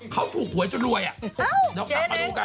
เขาถูกหวยจนรวยละ